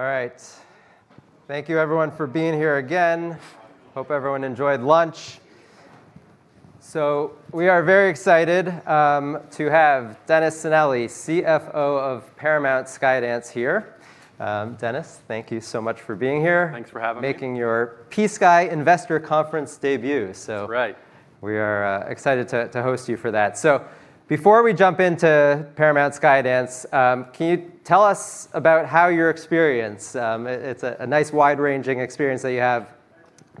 All right. Thank you everyone for being here again. Hope everyone enjoyed lunch. We are very excited to have Dennis Cinelli, CFO of Paramount Skydance here. Dennis, thank you so much for being here. Thanks for having me. Making your PSKY Investor Conference debut. That's right. We are excited to host you for that. Before we jump into Paramount Skydance, can you tell us about how your experience? It's a nice wide-ranging experience that you have.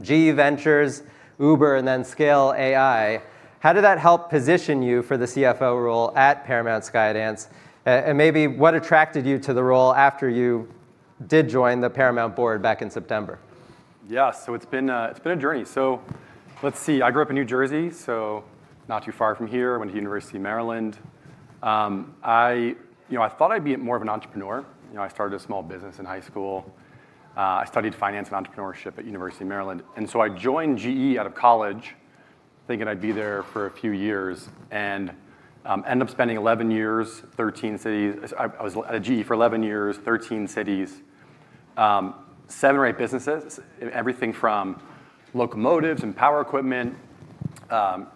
GE Ventures, Uber, and then Scale AI. How did that help position you for the CFO role at Paramount Skydance? Maybe what attracted you to the role after you did join the Paramount board back in September? Yeah. It's been a journey. Let's see. I grew up in New Jersey, so not too far from here. Went to University of Maryland. I, you know, I thought I'd be more of an entrepreneur. You know, I started a small business in high school. I studied finance and entrepreneurship at University of Maryland. I joined GE out of college thinking I'd be there for a few years and ended up spending 11 years, 13 cities. I was at GE for 11 years, 13 cities, seven or eight businesses. Everything from locomotives and power equipment,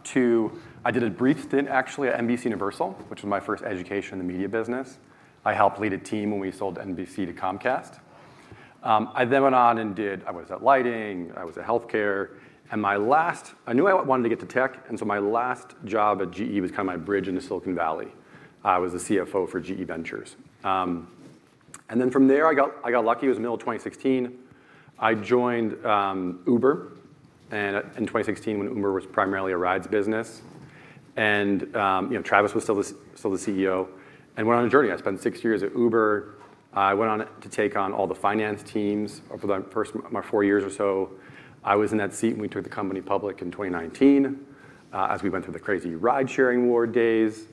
to I did a brief stint actually at NBCUniversal, which was my first education in the media business. I helped lead a team when we sold NBC to Comcast. I then went on and did I was at lighting, I was at healthcare. My last I knew I wanted to get to tech, so my last job at GE was kind of my bridge into Silicon Valley. I was the CFO for GE Ventures. From there I got lucky. It was the middle of 2016. I joined Uber in 2016 when Uber was primarily a rides business. You know, Travis was still the CEO. Went on a journey. I spent six years at Uber. I went on to take on all the finance teams for the first, my four years or so. I was in that seat when we took the company public in 2019 as we went through the crazy ride sharing war days.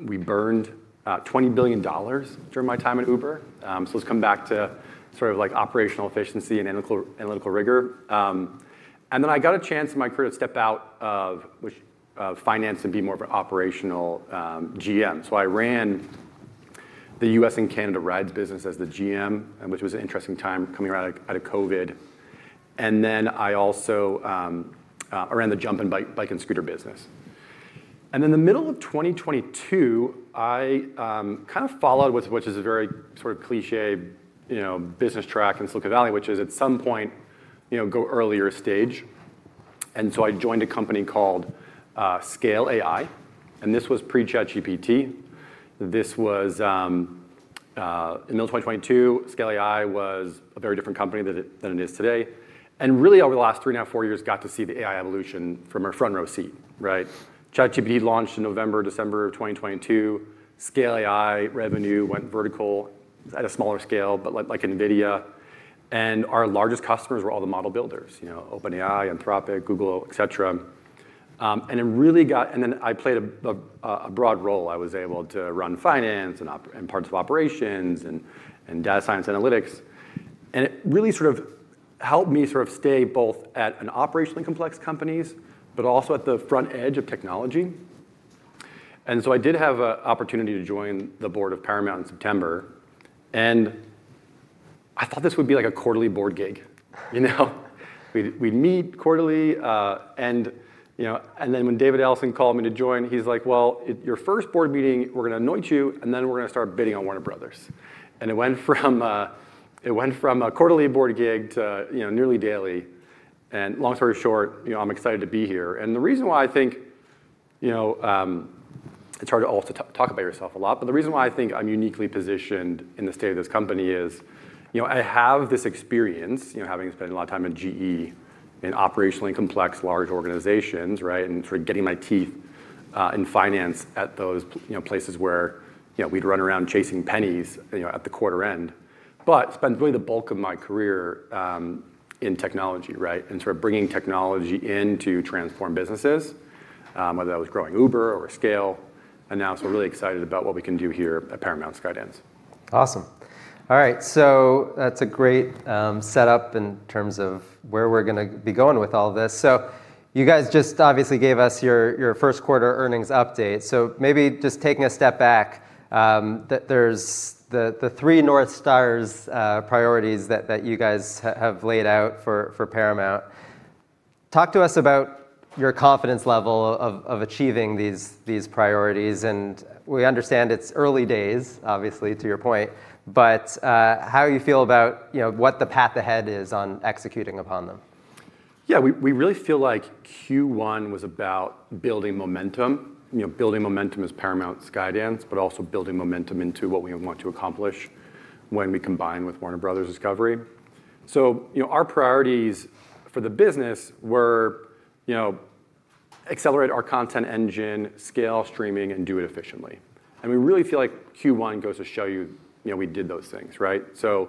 We burned $20 billion during my time at Uber. Let's come back to sort of like operational efficiency and analytical rigor. I got a chance in my career to step out of which, of finance and be more of an operational GM. I ran the U.S. and Canada rides business as the GM, and which was an interesting time coming right out of COVID. I also ran the jump and bike and scooter business. In the middle of 2022, I kind of followed with which is a very sort of cliché, you know, business track in Silicon Valley, which is at some point, you know, go earlier stage. I joined a company called Scale AI, and this was pre-ChatGPT. This was In the middle of 2022, Scale AI was a very different company than it is today. Really over the last four, now four years, got to see the AI evolution from a front row seat, right? ChatGPT launched in November, December of 2022. Scale AI revenue went vertical at a smaller scale, but like NVIDIA. Our largest customers were all the model builders. You know, OpenAI, Anthropic, Google, et cetera. Then I played a broad role. I was able to run finance and parts of operations and data science analytics, and it really helped me stay both at an operationally complex companies, but also at the front edge of technology. I did have a opportunity to join the board of Paramount in September, and I thought this would be like a quarterly board gig, you know. We'd meet quarterly, you know, then when David Ellison called me to join, he's like, well, at your first board meeting, we're gonna anoint you, and then we're gonna start bidding on Warner Bros. It went from, it went from a quarterly board gig to, you know, nearly daily. Long story short, you know, I'm excited to be here. The reason why I think, you know, it's hard to talk about yourself a lot, but the reason why I think I'm uniquely positioned in the state of this company is, you know, I have this experience, you know, having spent a lot of time at GE in operationally complex large organizations, right? Sort of getting my teeth in finance at those, you know, places where, you know, we'd run around chasing pennies, you know, at the quarter end. Spent really the bulk of my career in technology, right? Sort of bringing technology in to transform businesses, whether that was growing Uber or Scale. Now we're really excited about what we can do here at Paramount Skydance. Awesome. All right. That's a great setup in terms of where we're gonna be going with all this. You guys just obviously gave us your first quarter earnings update. Maybe just taking a step back, that there's the three North Stars priorities that you guys have laid out for Paramount. Talk to us about your confidence level of achieving these priorities. We understand it's early days, obviously, to your point, but how you feel about, you know, what the path ahead is on executing upon them. Yeah. We really feel like Q1 was about building momentum. You know, building momentum as Paramount Skydance, but also building momentum into what we want to accomplish when we combine with Warner Bros. Discovery. You know, our priorities for the business were, you know, accelerate our content engine, scale streaming, and do it efficiently. We really feel like Q1 goes to show you know, we did those things, right? You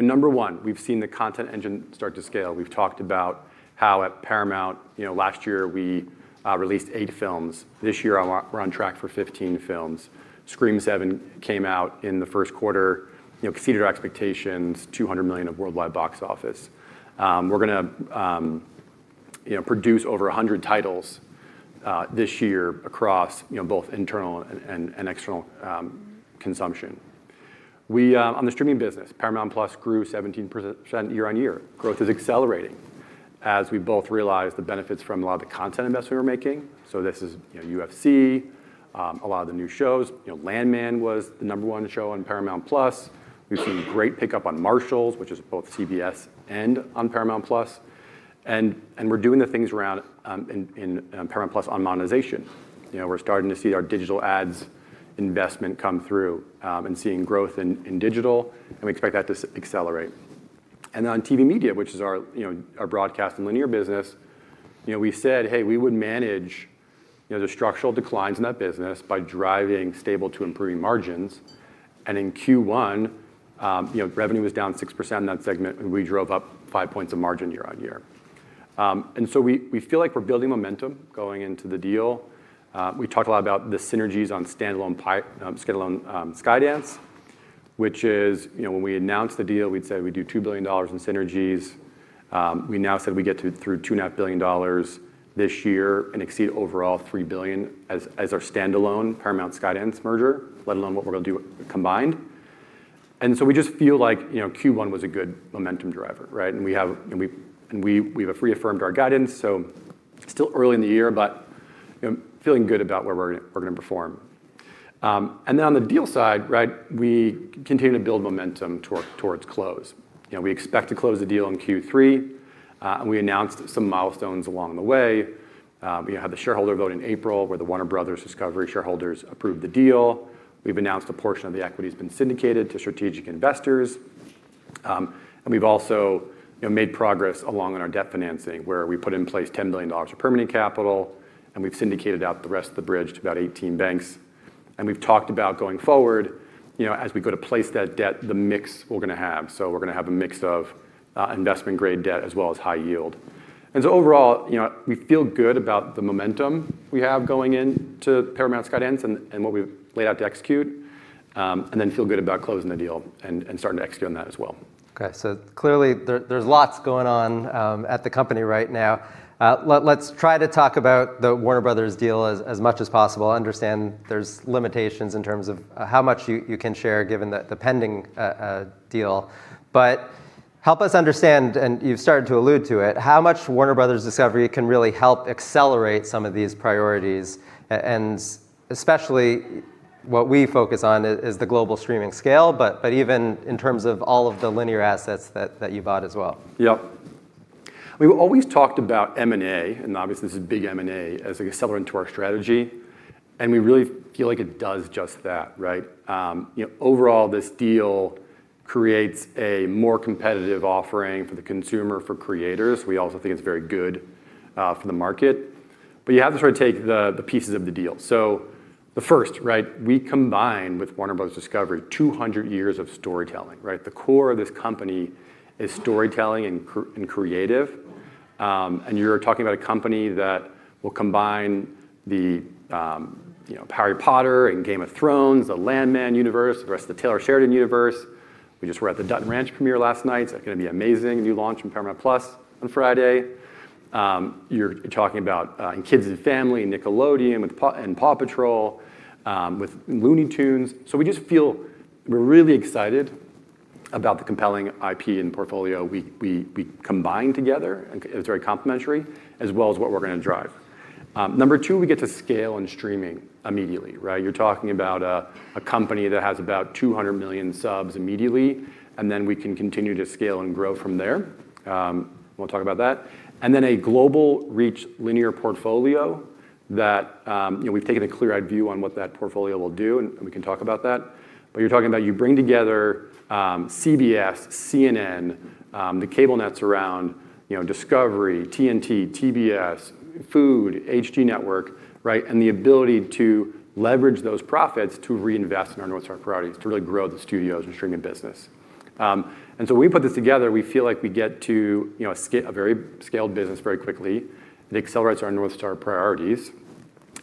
know, number one, we've seen the content engine start to scale. We've talked about how at Paramount, you know, last year we released eight films. This year we're on track for 15 films. Scream VII came out in the first quarter, you know, exceeded our expectations, $200 million of worldwide box office. We're gonna, you know, produce over 100 titles this year across, you know, both internal and external consumption. We On the streaming business, Paramount+ grew 17% year-over-year. Growth is accelerating as we both realize the benefits from a lot of the content investments we were making. This is, you know, UFC, a lot of the new shows. You know, Landman was the number one show on Paramount+. We've seen great pickup on Matlock, which is both CBS and on Paramount+. We're doing the things around in Paramount+ on monetization. You know, we're starting to see our digital ads investment come through, seeing growth in digital, and we expect that to accelerate. On TV media, which is our broadcast and linear business, we said we would manage the structural declines in that business by driving stable to improving margins. In Q1, revenue was down 6% in that segment, and we drove up 5 points of margin year-on-year. We feel like we're building momentum going into the deal. We talked a lot about the synergies on standalone Skydance, which is, when we announced the deal, we'd said we'd do $2 billion in synergies. We now said we'd get to through $2.5 billion this year and exceed overall $3 billion as our standalone Paramount Skydance merger, let alone what we're gonna do combined. We just feel like Q1 was a good momentum driver, right? We have reaffirmed our guidance. Still early in the year, but feeling good about where we're gonna perform. On the deal side, right, we continue to build momentum towards close. We expect to close the deal in Q3. We announced some milestones along the way. We had the shareholder vote in April, where the Warner Bros. Discovery shareholders approved the deal. We've announced a portion of the equity's been syndicated to strategic investors. We've also made progress along on our debt financing, where we put in place $10 billion of permanent capital, and we've syndicated out the rest of the bridge to about 18 banks. We've talked about going forward, you know, as we go to place that debt, the mix we're gonna have. We're gonna have a mix of investment grade debt as well as high yield. Overall, you know, we feel good about the momentum we have going into Paramount Skydance and what we've laid out to execute, and then feel good about closing the deal and starting to execute on that as well. Clearly there's lots going on at the company right now. Let's try to talk about the Warner Bros. deal as much as possible. Understand there's limitations in terms of how much you can share given the pending deal. Help us understand, and you've started to allude to it, how much Warner Bros. Discovery can really help accelerate some of these priorities, and especially what we focus on is the global streaming scale, but even in terms of all of the linear assets that you bought as well. Yeah. We've always talked about M&A, and obviously this is a big M&A, as an accelerant to our strategy, and we really feel like it does just that, right? You know, overall this deal creates a more competitive offering for the consumer, for creators. You have to sort of take the pieces of the deal. The first, right, we combine with Warner Bros. Discovery 200 years of storytelling, right? The core of this company is storytelling and creative. And you're talking about a company that will combine the, you know, Harry Potter and Game of Thrones, the Landman universe, the rest of the Taylor Sheridan universe. We just were at the Dutton Ranch premiere last night. It's gonna be amazing, a new launch from Paramount+ on Friday. You're talking about in kids and family, Nickelodeon with PAW Patrol, with Looney Tunes. We just feel we're really excited about the compelling IP and portfolio we combine together, it's very complementary, as well as what we're gonna drive. Number two, we get to scale in streaming immediately, right? You're talking about a company that has about 200 million subs immediately, and then we can continue to scale and grow from there. We'll talk about that. Then a global reach linear portfolio that, you know, we've taken a clear-eyed view on what that portfolio will do, and we can talk about that. You're talking about you bring together, CBS, CNN, the cable nets around, you know, Discovery, TNT, TBS, Food Network, HGTV, right, and the ability to leverage those profits to reinvest in our North Star priorities, to really grow the studios and streaming business. When we put this together, we feel like we get to, you know, a very scaled business very quickly. It accelerates our North Star priorities.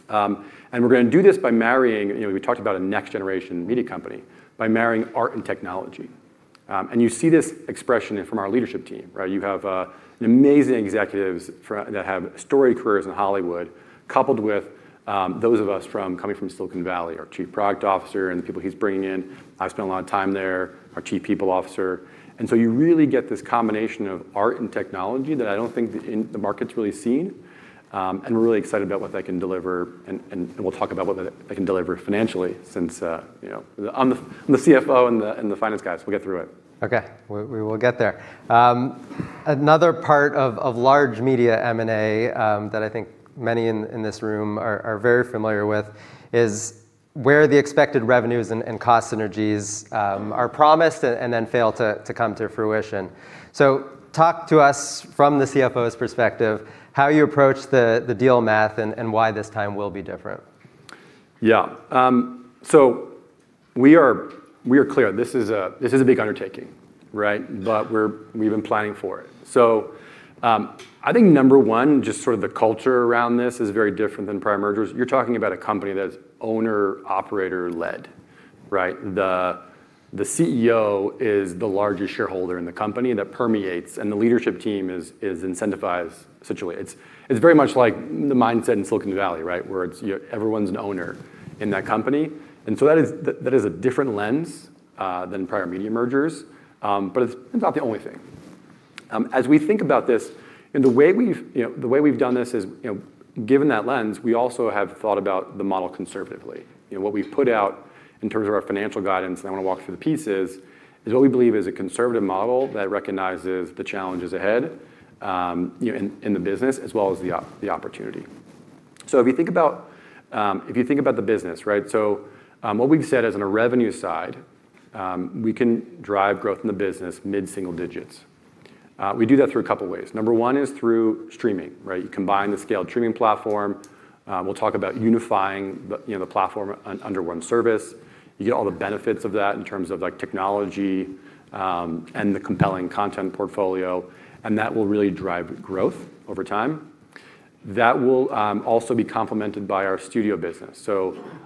We're gonna do this by marrying, you know, we talked about a next generation media company, by marrying art and technology. You see this expression from our leadership team, right? You have amazing executives that have storied careers in Hollywood, coupled with those of us from, coming from Silicon Valley, our Chief Product Officer and the people he's bringing in. I've spent a lot of time there. Our chief people officer. You really get this combination of art and technology that I don't think the market's really seen. We're really excited about what that can deliver and we'll talk about what that can deliver financially since you know I'm the CFO and the finance guys. We'll get through it. Okay. We will get there. Another part of large media M&A that I think many in this room are very familiar with is where the expected revenues and cost synergies are promised and then fail to come to fruition. Talk to us from the CFO's perspective how you approach the deal math and why this time will be different. Yeah. We are clear. This is a big undertaking, right? We've been planning for it. I think number one, just sort of the culture around this is very different than prior mergers. You're talking about a company that's owner-operator led. Right. The CEO is the largest shareholder in the company that permeates, and the leadership team is incentivized suitably. It's very much like the mindset in Silicon Valley, right? Where everyone's an owner in that company. That is a different lens than prior media mergers. But it's not the only thing. As we think about this, and the way we've, you know, the way we've done this is, you know, given that lens, we also have thought about the model conservatively. You know, what we've put out in terms of our financial guidance, and I wanna walk through the pieces, is what we believe is a conservative model that recognizes the challenges ahead, you know, in the business as well as the opportunity. If you think about, if you think about the business, right? What we've said is on a revenue side, we can drive growth in the business mid-single digits. We do that through a couple ways. Number one is through streaming, right? You combine the scaled streaming platform, we'll talk about unifying the, you know, the platform under one service. You get all the benefits of that in terms of like technology, and the compelling content portfolio, and that will really drive growth over time. That will also be complemented by our studio business.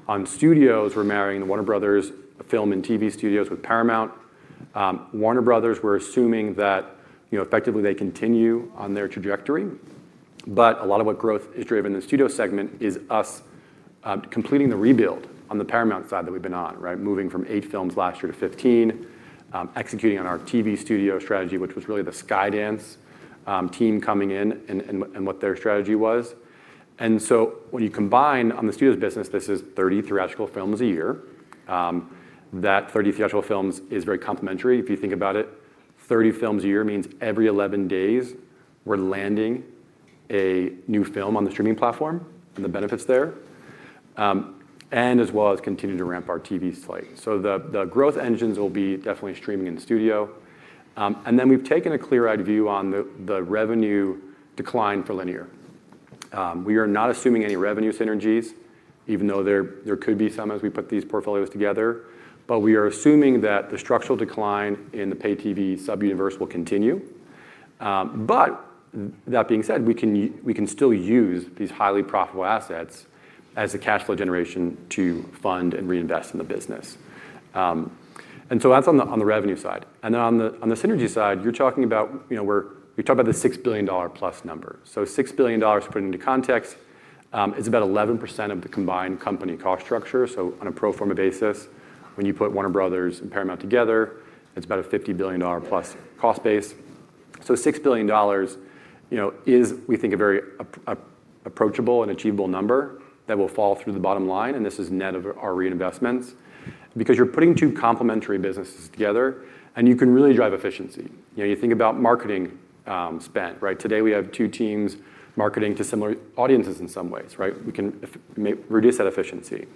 On studios, we're marrying the Warner Bros. film and TV studios with Paramount. Warner Bros., we're assuming that, you know, effectively they continue on their trajectory, but a lot of what growth is driven in the studio segment is us completing the rebuild on the Paramount side that we've been on, right? Moving from 8 films last year to 15, executing on our TV studio strategy, which was really the Skydance team coming in and what their strategy was. When you combine on the studios business, this is 30 theatrical films a year. That 30 theatrical films is very complementary. If you think about it, 30 films a year means every 11 days we're landing a new film on the streaming platform and the benefits there. As well as continue to ramp our TV slate. The growth engines will be definitely streaming and studio. We've taken a clear-eyed view on the revenue decline for linear. We are not assuming any revenue synergies, even though there could be some as we put these portfolios together, we are assuming that the structural decline in the pay TV sub-universe will continue. That being said, we can still use these highly profitable assets as a cash flow generation to fund and reinvest in the business. That's on the revenue side. Then on the synergy side, you're talking about, you know, we talk about the $6 billion plus number. $6 billion to put into context, is about 11% of the combined company cost structure. On a pro forma basis, when you put Warner Bros. and Paramount together, it's about a $50 billion plus cost base. $6 billion, you know, is we think a very approachable and achievable number that will fall through the bottom line, and this is net of our reinvestments. Because you're putting two complementary businesses together, and you can really drive efficiency. You know, you think about marketing spend, right? Today we have two teams marketing to similar audiences in some ways, right? We can reduce that efficiency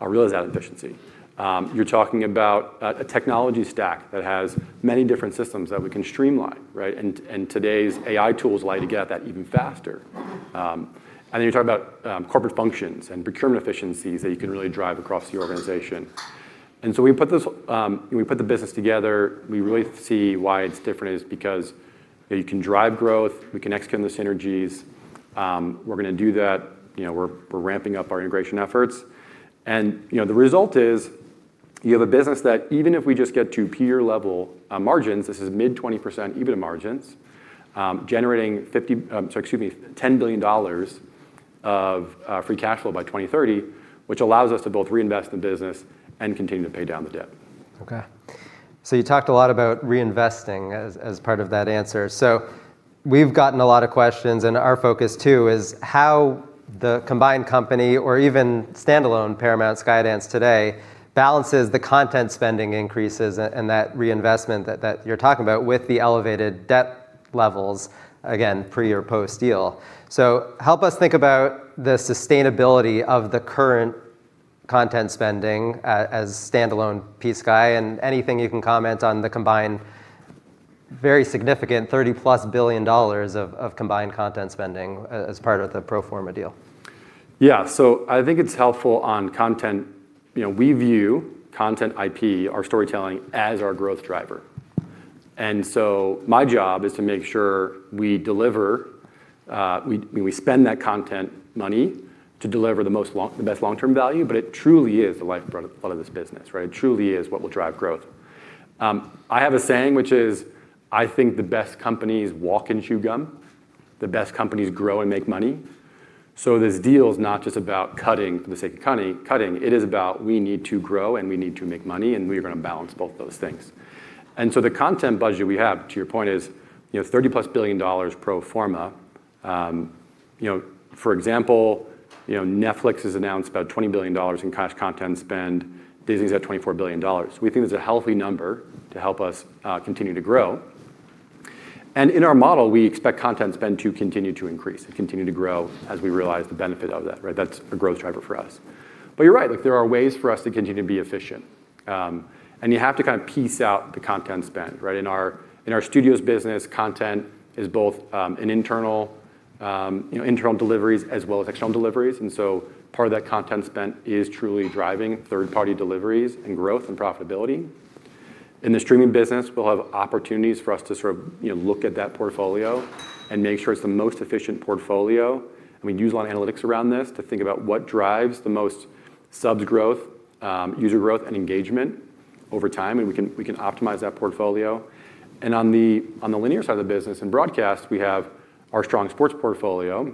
or realize that efficiency. You're talking about a technology stack that has many different systems that we can streamline, right? Today's AI tools allow you to get at that even faster. Then you talk about corporate functions and procurement efficiencies that you can really drive across the organization. We put this, we put the business together, we really see why it's different is because, you know, you can drive growth, we can execute on the synergies. We're gonna do that. You know, we're ramping up our integration efforts. You know, the result is you have a business that even if we just get to peer level margins, this is mid 20% EBITDA margins, generating $10 billion of free cash flow by 2030, which allows us to both reinvest in the business and continue to pay down the debt. Okay. You talked a lot about reinvesting as part of that answer. We've gotten a lot of questions, and our focus too is how the combined company or even standalone Paramount Skydance today balances the content spending increases and that reinvestment that you're talking about with the elevated debt levels, again, pre or post-deal. Help us think about the sustainability of the current content spending as standalone Skydance, and anything you can comment on the combined very significant $30+ billion of combined content spending as part of the pro forma deal. I think it's helpful on content. You know, we view content IP, our storytelling, as our growth driver. My job is to make sure we deliver, we spend that content money to deliver the best long-term value, but it truly is the lifeblood of this business, right? It truly is what will drive growth. I have a saying, which is, "I think the best companies walk and chew gum. The best companies grow and make money." This deal is not just about cutting for the sake of cutting. It is about we need to grow and we need to make money, and we are gonna balance both those things. The content budget we have, to your point, is, you know, $30 plus billion pro forma. You know, for example, you know, Netflix has announced about $20 billion in cash content spend. Disney's at $24 billion. We think that's a healthy number to help us continue to grow. In our model, we expect content spend to continue to increase and continue to grow as we realize the benefit of that, right? That's a growth driver for us. You're right, like there are ways for us to continue to be efficient. You have to kind of piece out the content spend, right? In our studios business, content is both an internal, you know, internal deliveries as well as external deliveries. Part of that content spend is truly driving third-party deliveries and growth and profitability. In the streaming business, we'll have opportunities for us to sort of, you know, look at that portfolio and make sure it's the most efficient portfolio, and we use a lot of analytics around this to think about what drives the most subs growth, user growth, and engagement over time, and we can optimize that portfolio. On the linear side of the business, in broadcast, we have our strong sports portfolio,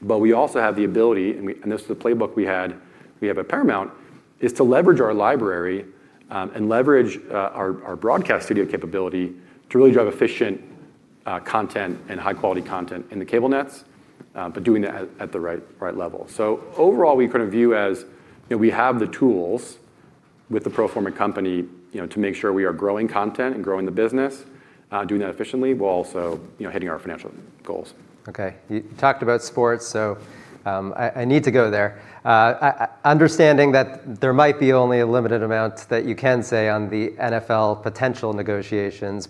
but we also have the ability, and this is the playbook we have at Paramount, is to leverage our library, and leverage our broadcast studio capability to really drive efficient content and high quality content in the cable nets, but doing that at the right level. Overall, we kind of view as, you know, we have the tools with the pro forma company, you know, to make sure we are growing content and growing the business, doing that efficiently while also, you know, hitting our financial goals. Okay. You talked about sports. I need to go there. Understanding that there might be only a limited amount that you can say on the NFL potential negotiations,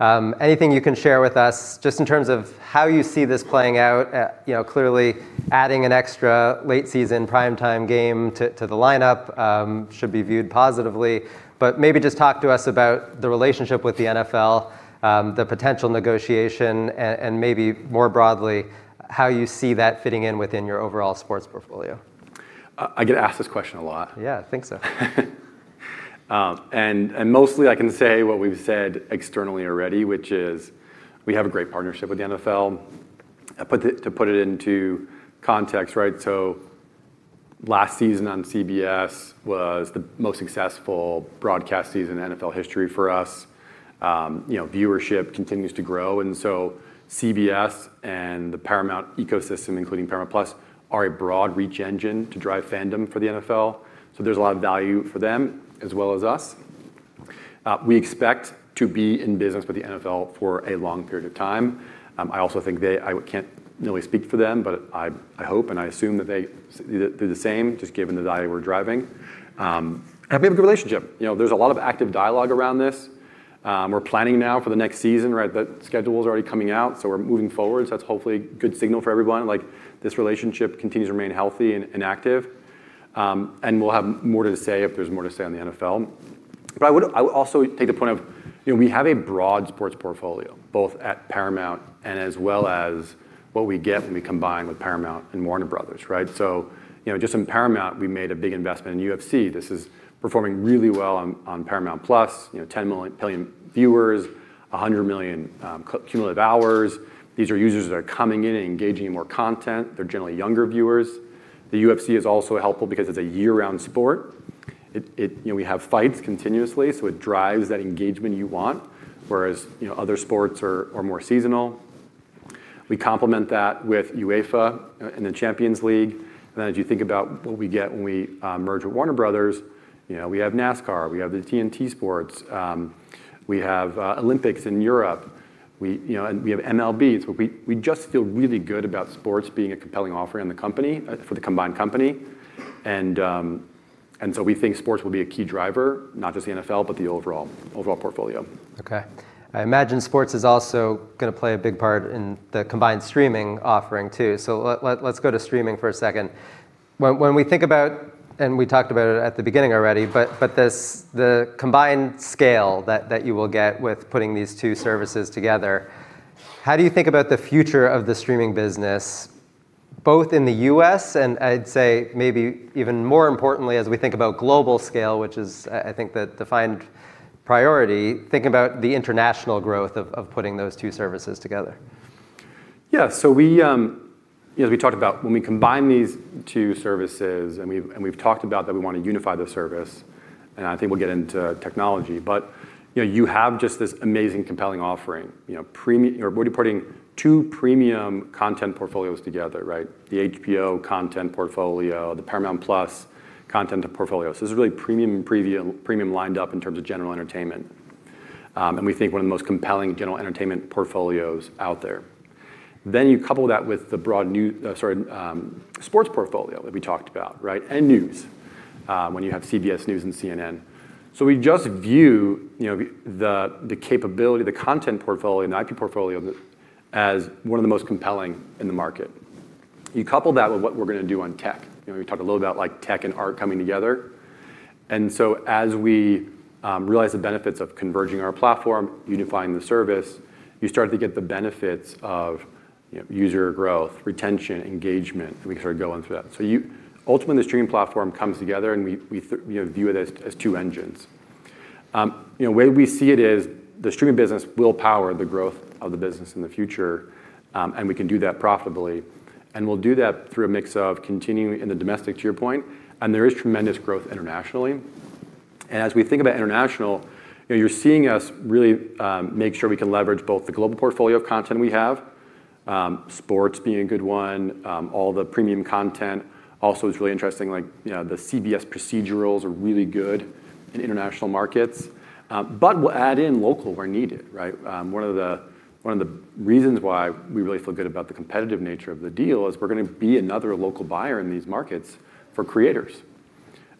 anything you can share with us just in terms of how you see this playing out. You know, clearly adding an extra late season primetime game to the lineup should be viewed positively. Maybe just talk to us about the relationship with the NFL, the potential negotiation and maybe more broadly, how you see that fitting in within your overall sports portfolio. I get asked this question a lot. Yeah, I think so. Mostly I can say what we've said externally already, which is we have a great partnership with the NFL. To put it into context, right, last season on CBS was the most successful broadcast season in NFL history for us. You know, viewership continues to grow, CBS and the Paramount ecosystem, including Paramount+, are a broad reach engine to drive fandom for the NFL. There's a lot of value for them as well as us. We expect to be in business with the NFL for a long period of time. I also think I can't really speak for them, but I hope and I assume that they do the same just given the value we're driving. We have a good relationship. You know, there's a lot of active dialogue around this. We're planning now for the next season, right. The schedule's already coming out, so we're moving forward. That's hopefully a good signal for everyone, like, this relationship continues to remain healthy and active. We'll have more to say if there's more to say on the NFL. I would also take the point of, you know, we have a broad sports portfolio, both at Paramount and as well as what we get when we combine with Paramount and Warner Bros., right? You know, just in Paramount, we made a big investment in UFC. This is performing really well on Paramount+, you know, 10 billion viewers, 100 million cumulative hours. These are users that are coming in and engaging in more content. They're generally younger viewers. The UFC is also helpful because it's a year-round sport. You know, we have fights continuously, so it drives that engagement you want, whereas, you know, other sports are more seasonal. We complement that with UEFA and the Champions League. As you think about what we get when we merge with Warner Bros., you know, we have NASCAR, we have the TNT Sports, we have Olympics in Europe. We, you know, we have MLB. We just feel really good about sports being a compelling offering in the company for the combined company. We think sports will be a key driver, not just the NFL, but the overall portfolio. Okay. I imagine sports is also gonna play a big part in the combined streaming offering too. Let's go to streaming for a second. When we think about, and we talked about it at the beginning already, but this, the combined scale that you will get with putting these two services together, how do you think about the future of the streaming business, both in the U.S. and I'd say maybe even more importantly as we think about global scale, which is, I think the defined priority, thinking about the international growth of putting those two services together? We, you know, we talked about when we combine these two services, and we've talked about that we want to unify the service, and I think we'll get into technology. You know, you have just this amazing compelling offering. You know, we're putting two premium content portfolios together, right? The HBO content portfolio, the Paramount+ content portfolio. This is really premium, premium lined up in terms of general entertainment. And we think one of the most compelling general entertainment portfolios out there. You couple that with the broad sports portfolio that we talked about, right, and news, when you have CBS News and CNN. We just view, you know, the capability, the content portfolio and IP portfolio as one of the most compelling in the market. You couple that with what we're gonna do on tech. You know, we talked a little about, like, tech and art coming together. As we realize the benefits of converging our platform, unifying the service, you start to get the benefits of, you know, user growth, retention, engagement, and we can sort of go on through that. Ultimately, the streaming platform comes together and we, you know, view it as two engines. You know, the way we see it is the streaming business will power the growth of the business in the future, and we can do that profitably. We'll do that through a mix of continuing in the domestic, to your point, and there is tremendous growth internationally. As we think about international, you know, you're seeing us really, make sure we can leverage both the global portfolio content we have, sports being a good one, all the premium content. What's really interesting, like, you know, the CBS procedurals are really good in international markets. We'll add in local where needed, right? One of the reasons why we really feel good about the competitive nature of the deal is we're gonna be another local buyer in these markets for creators.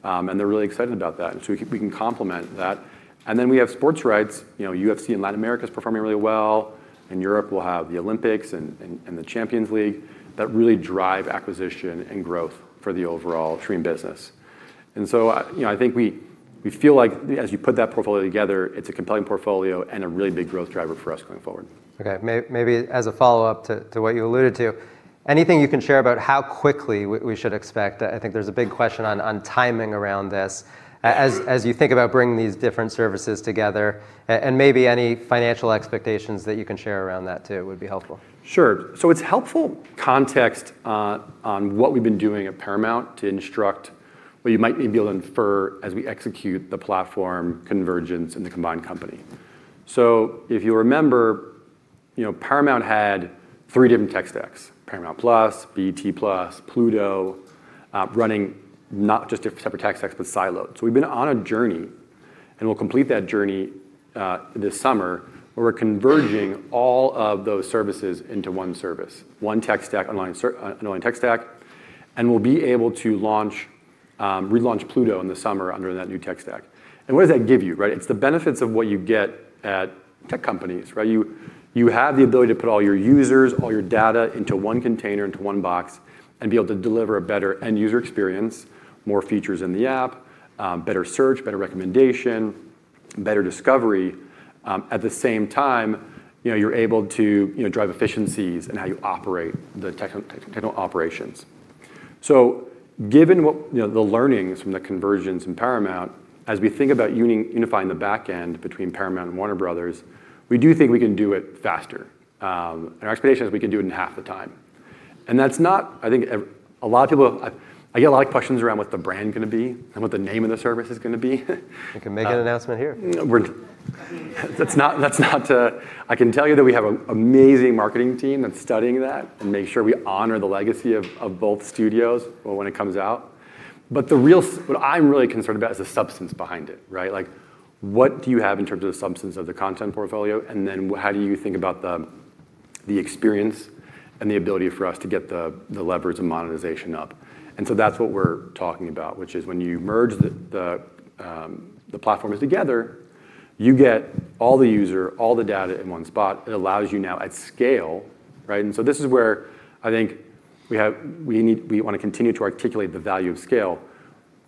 They're really excited about that, so we can complement that. Then we have sports rights. You know, UFC in Latin America is performing really well. In Europe, we'll have the Olympics and the Champions League that really drive acquisition and growth for the overall streaming business. I, you know, I think we feel like as you put that portfolio together, it's a compelling portfolio and a really big growth driver for us going forward. Okay. Maybe as a follow-up to what you alluded to, anything you can share about how quickly we should expect? I think there's a big question on timing around this. As you think about bringing these different services together, and maybe any financial expectations that you can share around that too would be helpful. Sure. It's helpful context on what we've been doing at Paramount to instruct what you might be able to infer as we execute the platform convergence in the combined company. If you remember, you know, Paramount had three different tech stacks: Paramount+, BET+, Pluto, running not just separate tech stacks, but siloed. We've been on a journey, and we'll complete that journey this summer, where we're converging all of those services into one service. One tech stack, one tech stack, and we'll be able to launch relaunch Pluto in the summer under that new tech stack. What does that give you, right? It's the benefits of what you get at tech companies, right? You have the ability to put all your users, all your data into one container, into one box, and be able to deliver a better end user experience, more features in the app, better search, better recommendation, better discovery. At the same time, you know, you're able to, you know, drive efficiencies in how you operate the tech operations. Given what, you know, the learnings from the conversions in Paramount, as we think about unifying the back end between Paramount and Warner Bros., we do think we can do it faster. Our expectation is we can do it in half the time. That's not I think a lot of people, I get a lot of questions around what the brand going to be and what the name of the service is going to be. You can make an announcement here. That's not, that's not, I can tell you that we have an amazing marketing team that's studying that to make sure we honor the legacy of both studios when it comes out. The real what I'm really concerned about is the substance behind it, right? Like, what do you have in terms of the substance of the content portfolio, then how do you think about the experience and the ability for us to get the levers and monetization up. That's what we're talking about, which is when you merge the platforms together, you get all the user, all the data in one spot. It allows you now at scale, right? This is where I think we wanna continue to articulate the value of scale.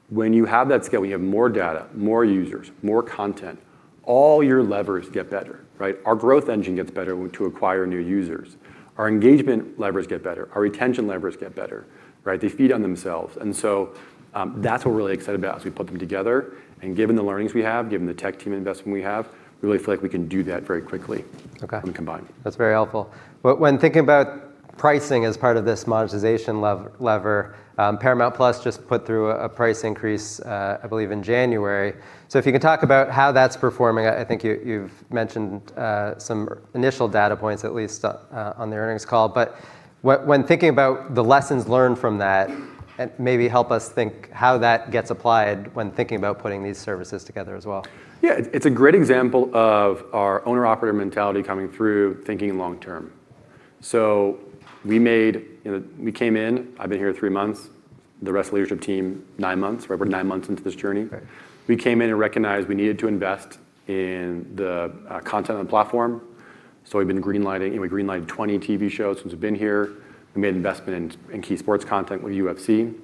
When you have that scale, we have more data, more users, more content. All your levers get better, right? Our growth engine gets better to acquire new users. Our engagement levers get better. Our retention levers get better, right? They feed on themselves. That's what we're really excited about as we put them together, and given the learnings we have, given the tech team investment we have, we really feel like we can do that very quickly. Okay when combined. That's very helpful. When thinking about pricing as part of this monetization lever, Paramount+ just put through a price increase, I believe in January. If you could talk about how that's performing. I think you've mentioned some initial data points, at least, on the earnings call. When thinking about the lessons learned from that, and maybe help us think how that gets applied when thinking about putting these services together as well. Yeah. It's a great example of our owner operator mentality coming through thinking long term. You know, we came in, I've been here 3 months. The rest of the leadership team, 9 months. We're over 9 months into this journey. Right. We came in and recognized we needed to invest in the content and platform. We've been green lighting, and we green lighted 20 TV shows since I've been here. We made investment in key sports content with UFC.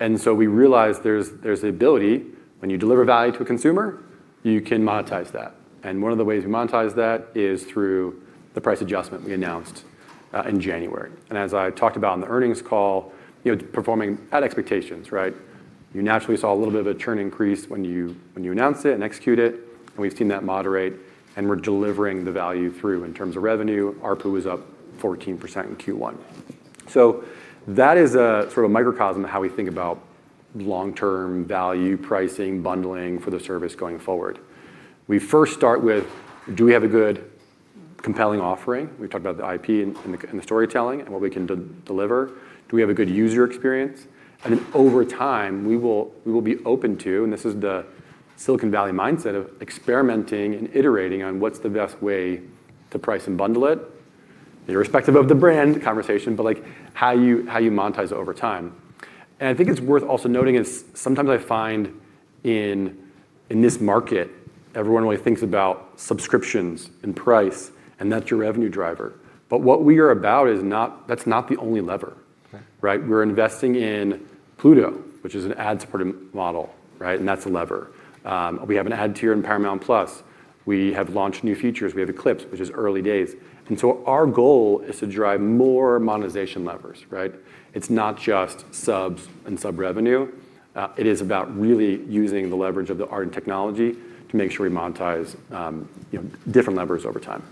We realized there's the ability when you deliver value to a consumer, you can monetize that. One of the ways we monetize that is through the price adjustment we announced in January. As I talked about on the earnings call, you know, performing at expectations, right? You naturally saw a little bit of a churn increase when you announce it and execute it, and we've seen that moderate, and we're delivering the value through. In terms of revenue, ARPU is up 14% in Q1. That is a sort of microcosm how we think about long-term value pricing, bundling for the service going forward. We first start with, do we have a good compelling offering? We talked about the IP and the storytelling and what we can deliver. Do we have a good user experience? Over time, we will be open to, and this is the Silicon Valley mindset of experimenting and iterating on what's the best way to price and bundle it, irrespective of the brand conversation, but like how you monetize it over time. I think it's worth also noting is sometimes I find in this market, everyone only thinks about subscriptions and price, and that's your revenue driver. What we are about is not, that's not the only lever. Okay. Right? We're investing in Pluto, which is an ad-supported model, right, that's a lever. We have an ad tier in Paramount+. We have launched new features. We have Clips, which is early days. Our goal is to drive more monetization levers, right? It's not just subs and sub revenue. It is about really using the leverage of the art and technology to make sure we monetize, you know, different levers over time.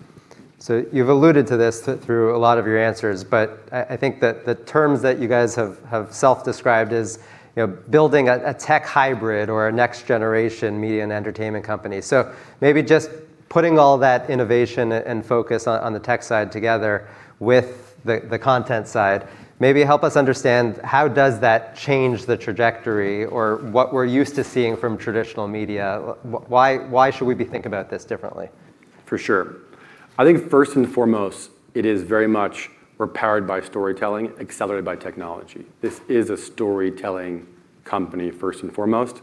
You've alluded to this through a lot of your answers, but I think that the terms that you guys have self-described as, you know, building a tech hybrid or a next generation media and entertainment company. Maybe just putting all that innovation and focus on the tech side together with the content side, maybe help us understand how does that change the trajectory or what we're used to seeing from traditional media. Why should we be thinking about this differently? For sure. I think first and foremost, it is very much we're powered by storytelling, accelerated by technology. This is a storytelling company first and foremost.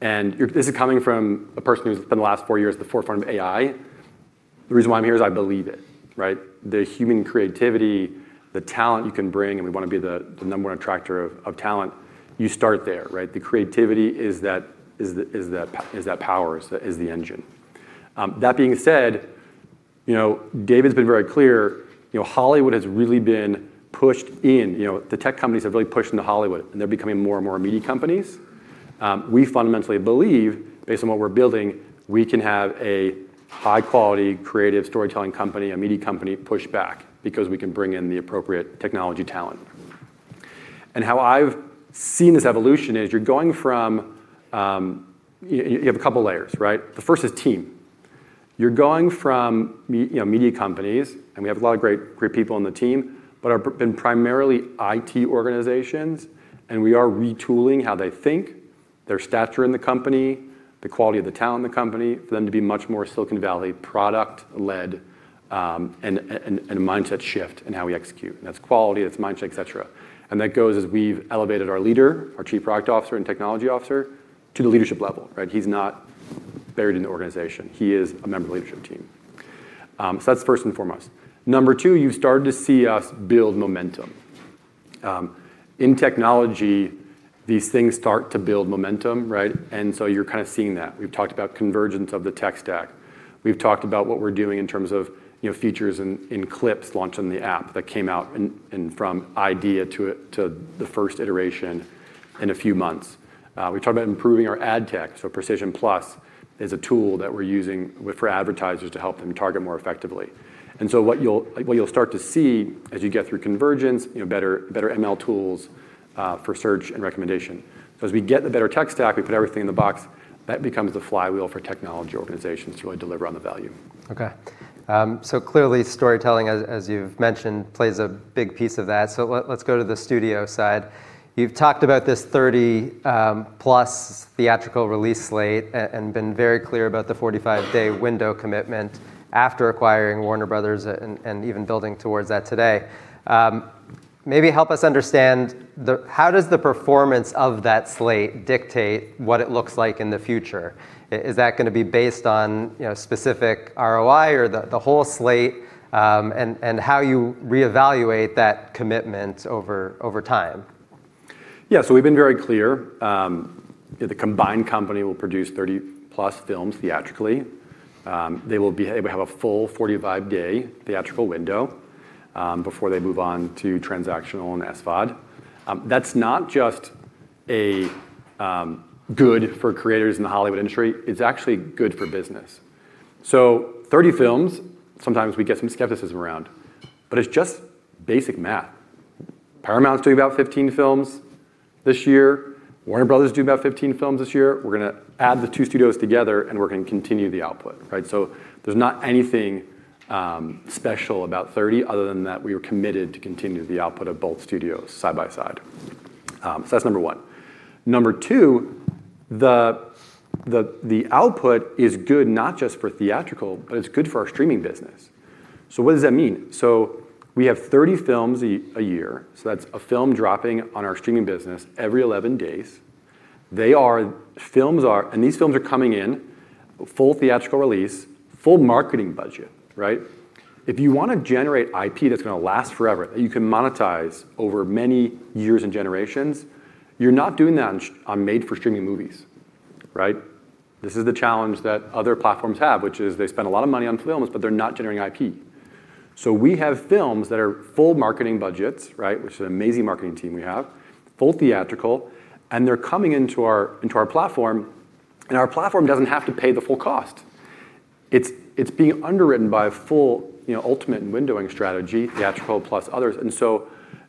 This is coming from a person who's spent the last four years at the forefront of AI. The reason why I'm here is I believe it, right? The human creativity, the talent you can bring, and we want to be the number one attractor of talent. You start there, right? The creativity is that, is the power, is the engine. That being said, you know, David's been very clear, you know, Hollywood has really been pushed in. You know, the tech companies have really pushed into Hollywood, and they're becoming more and more media companies. We fundamentally believe, based on what we're building, we can have a high quality creative storytelling company, a media company pushed back because we can bring in the appropriate technology talent. How I've seen this evolution is you're going from, you have a couple layers, right? The first is team. You're going from you know, media companies, and we have a lot of great people on the team, but been primarily IT organizations, and we are retooling how they think, their stature in the company, the quality of the talent in the company for them to be much more Silicon Valley product led, and a mindset shift in how we execute. That's quality, that's mindset, et cetera. That goes as we've elevated our leader, our Chief Product Officer and Technology Officer to the leadership level, right? He's not buried in the organization. He is a member of leadership team. That's first and foremost. Number two, you've started to see us build momentum. In technology, these things start to build momentum, right? You're kind of seeing that. We've talked about convergence of the tech stack. We've talked about what we're doing in terms of, you know, features in Clips launched on the app that came out and from idea to the first iteration in a few months. We talked about improving our ad tech. Precision+ is a tool that we're using with for advertisers to help them target more effectively. What you'll start to see as you get through convergence, you know, better ML tools for search and recommendation. As we get the better tech stack, we put everything in the box, that becomes the flywheel for technology organizations to really deliver on the value. Okay. Clearly storytelling, as you've mentioned, plays a big piece of that. Let's go to the studio side. You've talked about this 30 plus theatrical release slate, and been very clear about the 45-day window commitment after acquiring Warner Bros. and even building towards that today. Maybe help us understand the How does the performance of that slate dictate what it looks like in the future? Is that gonna be based on, you know, specific ROI or the whole slate, and how you reevaluate that commitment over time? Yeah. We've been very clear. The combined company will produce 30+ films theatrically. They have a full 45-day theatrical window before they move on to transactional and SVOD. That's not just good for creators in the Hollywood industry, it's actually good for business. 30 films, sometimes we get some skepticism around, but it's just basic math. Paramount's doing about 15 films this year. Warner Bros. do about 15 films this year. We're gonna add the two studios together, and we're gonna continue the output, right? There's not anything special about 30 other than that we were committed to continue the output of both studios side by side. That's number one. Number two, the output is good not just for theatrical, but it's good for our streaming business. What does that mean? We have 30 films a year, so that's a film dropping on our streaming business every 11 days. And these films are coming in full theatrical release, full marketing budget, right? If you wanna generate IP that's gonna last forever, that you can monetize over many years and generations, you're not doing that on made-for-streaming movies, right? This is the challenge that other platforms have, which is they spend a lot of money on films, but they're not generating IP. We have films that are full marketing budgets, right? Which is an amazing marketing team we have. Full theatrical, and they're coming into our, into our platform, and our platform doesn't have to pay the full cost. It's being underwritten by a full, you know, ultimate windowing strategy, theatrical plus others.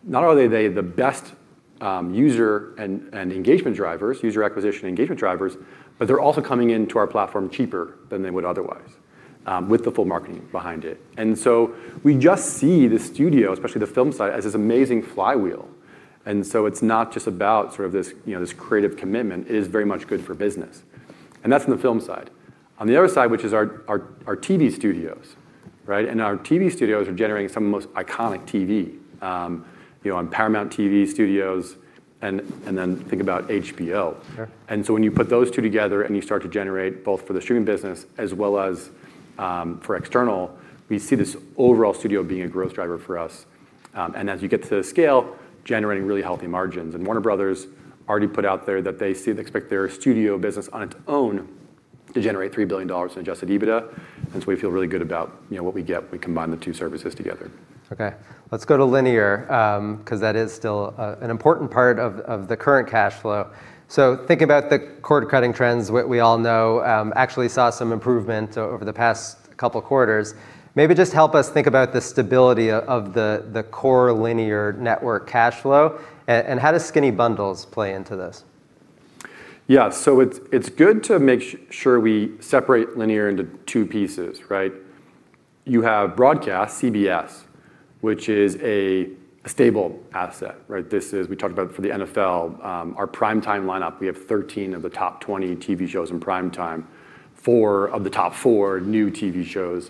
Not only are they the best user and engagement drivers, user acquisition engagement drivers, but they're also coming into our platform cheaper than they would otherwise with the full marketing behind it. We just see the studio, especially the film side, as this amazing flywheel. It's not just about sort of this, you know, this creative commitment, it is very much good for business. That's on the film side. On the other side, which is our TV studios, right? Our TV studios are generating some of the most iconic TV, you know, on Paramount Television Studios and then think about HBO. Sure. When you put those two together and you start to generate both for the streaming business as well as, for external, we see this overall studio being a growth driver for us. As you get to scale, generating really healthy margins. Warner Bros. already put out there that they expect their studio business on its own to generate $3 billion in adjusted EBITDA. We feel really good about, you know, what we get when we combine the two services together. Okay. Let's go to linear, 'cause that is still an important part of the current cash flow. Thinking about the cord-cutting trends, what we all know, actually saw some improvement over the past couple quarters. Maybe just help us think about the stability of the core linear network cash flow and how does skinny bundles play into this? It's good to make sure we separate linear into two pieces, right? You have broadcast CBS, which is a stable asset, right? This is, we talked about for the NFL, our prime time lineup. We have 13 of the top 20 TV shows in prime time, four of the top four new TV shows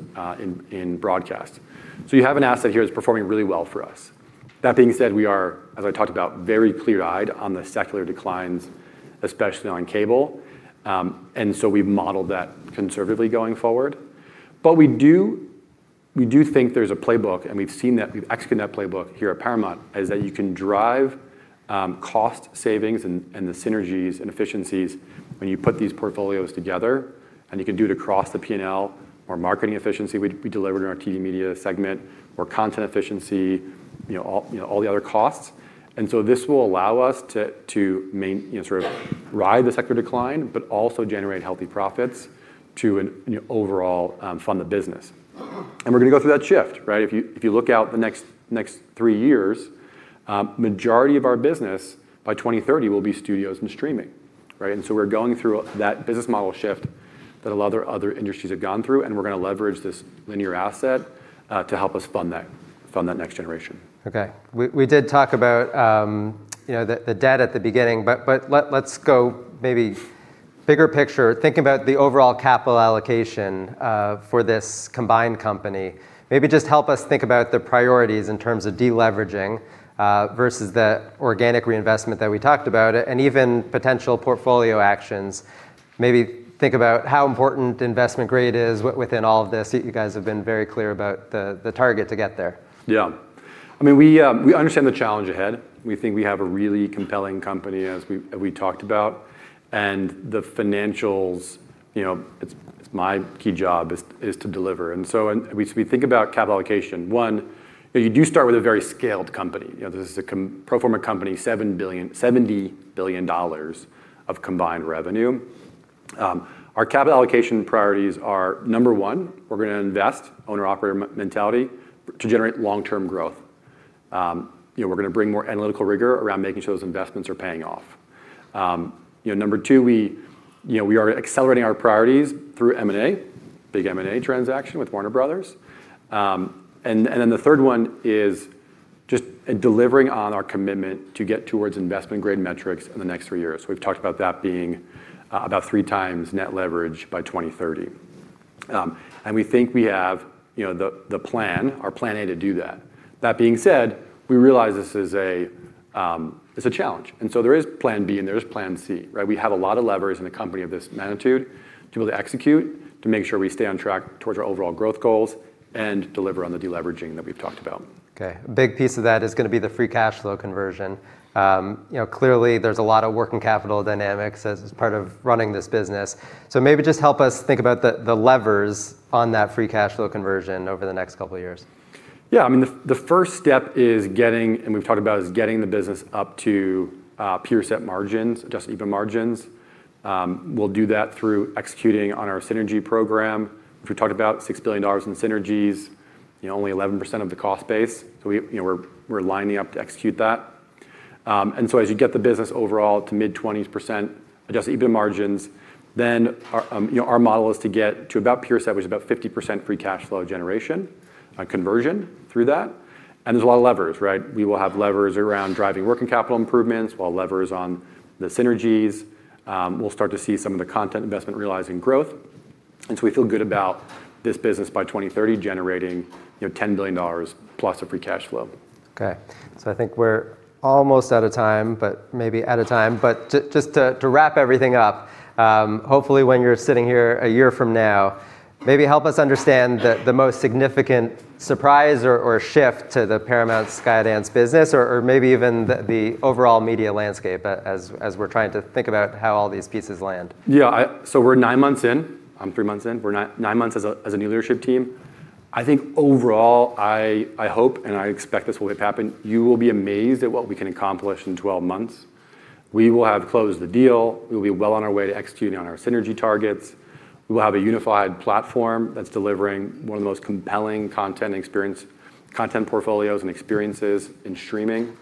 in broadcast. You have an asset here that's performing really well for us. That being said, we are, as I talked about, very clear-eyed on the secular declines, especially on cable. We've modeled that conservatively going forward. We do think there's a playbook, and we've seen that we've executed that playbook here at Paramount, is that you can drive cost savings and the synergies and efficiencies when you put these portfolios together, and you can do it across the P&L or marketing efficiency we delivered on our TV media segment or content efficiency, you know, all the other costs. This will allow us to you know, sort of ride the secular decline, but also generate healthy profits to an, you know, overall, fund the business. We're gonna go through that shift, right? If you look out the next three years, majority of our business by 2030 will be studios and streaming, right? We're going through that business model shift that a lot other industries have gone through, and we're gonna leverage this linear asset, to help us fund that next generation. We did talk about, you know, the debt at the beginning, let's go maybe bigger picture. Think about the overall capital allocation for this combined company. Maybe just help us think about the priorities in terms of deleveraging versus the organic reinvestment that we talked about and even potential portfolio actions. Maybe think about how important investment grade is within all of this. You guys have been very clear about the target to get there. Yeah. I mean, we understand the challenge ahead. We think we have a really compelling company as we talked about, and the financials, you know, it's my key job is to deliver. We think about capital allocation, one, you know, you do start with a very scaled company. You know, this is a pro forma company, $70 billion of combined revenue. Our capital allocation priorities are, number one, we're gonna invest, owner/operator mentality, to generate long-term growth. You know, we're gonna bring more analytical rigor around making sure those investments are paying off. You know, number two, we, you know, we are accelerating our priorities through M&A, big M&A transaction with Warner Bros.. The third one is just delivering on our commitment to get towards investment-grade metrics in the next three years. We've talked about that being about 3 times net leverage by 2030. We think we have, you know, the plan, our plan A to do that. That being said, we realize this is a, it's a challenge. There is plan B and there is plan C, right? We have a lot of levers in a company of this magnitude to be able to execute, to make sure we stay on track towards our overall growth goals and deliver on the deleveraging that we've talked about. Okay. A big piece of that is gonna be the free cash flow conversion. You know, clearly there's a lot of working capital dynamics as part of running this business. Maybe just help us think about the levers on that free cash flow conversion over the next couple of years. Yeah, I mean, the first step is getting, and we've talked about, is getting the business up to peer set margins, adjusted EBITDA margins. We'll do that through executing on our synergy program. If we talked about $6 billion in synergies, you know, only 11% of the cost base. We, you know, we're lining up to execute that. As you get the business overall to mid-20s% adjusted EBITDA margins, then our, you know, our model is to get to about peer set, which is about 50% free cash flow generation, conversion through that, there's a lot of levers, right? We will have levers around driving working capital improvements. We'll have levers on the synergies. We'll start to see some of the content investment realizing growth. We feel good about this business by 2030 generating, you know, $10 billion plus of free cash flow. Okay. I think we're almost out of time. Just to wrap everything up, hopefully when you're sitting here a year from now, maybe help us understand the most significant surprise or shift to the Paramount Skydance business or maybe even the overall media landscape as we're trying to think about how all these pieces land. We're nine months in. I'm three months in. We're nine months as a new leadership team. I think overall I hope, and I expect this will have happened, you will be amazed at what we can accomplish in 12 months. We will have closed the deal. We will be well on our way to executing on our synergy targets. We will have a unified platform that's delivering one of the most compelling content portfolios and experiences in streaming.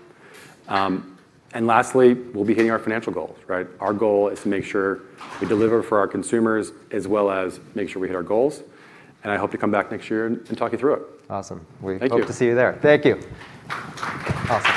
Lastly, we'll be hitting our financial goals, right? Our goal is to make sure we deliver for our consumers as well as make sure we hit our goals, and I hope to come back next year and talk you through it. Awesome. Thank you. We hope to see you there. Thank you. Awesome.